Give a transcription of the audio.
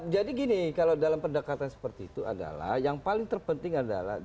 jadi gini kalau dalam pendekatan seperti itu adalah yang paling terpenting adalah